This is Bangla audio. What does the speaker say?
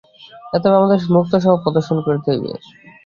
অতএব আমাদের মুক্ত-স্বভাব প্রদর্শন করিতে হইবে।